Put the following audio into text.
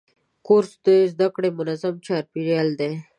کورس د زده کړې منظم چاپېریال دی.